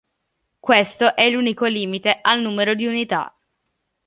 Questo è l'unico limite al numero di unità.